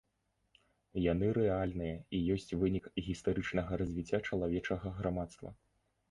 Яны рэальныя і ёсць вынік гістарычнага развіцця чалавечага грамадства.